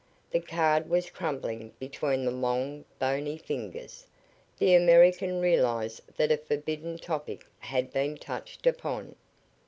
The card was crumpling between the long, bony fingers. The American realized that a forbidden topic had been touched upon.